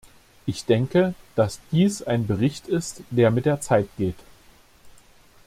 Ich denke, dass dies ein Bericht ist, der mit der Zeit geht.